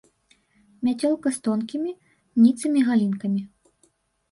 Мяцёлка з тонкімі, ніцымі галінкамі.